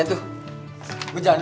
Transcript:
nanti gue jalan